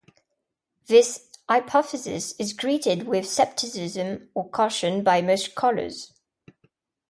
This hypothesis is greeted with scepticism or caution by most scholars.